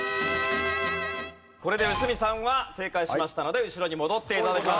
これで良純さんは正解しましたので後ろに戻って頂きます。